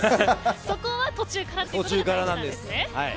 そこは途中からなんですね。